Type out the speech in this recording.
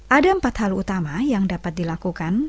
ada empat hal utama yang dapat dilakukan